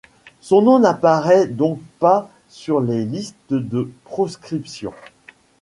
Son nom n'apparaît donc pas sur les listes de proscription.